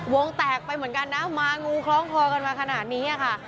วงแตกไปเหมือนกันนะมางูคล้องคอกันมาขนาดนี้ค่ะ